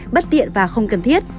bất tiện và không cần thiết